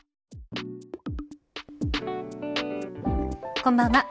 こんばんは。